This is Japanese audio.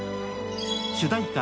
主題歌